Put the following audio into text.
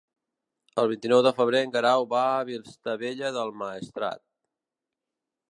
El vint-i-nou de febrer en Guerau va a Vistabella del Maestrat.